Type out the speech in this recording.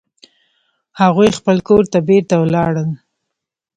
هغوی خپل کور ته بیرته ولاړل